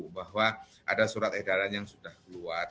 bahwa ada surat edaran yang sudah keluar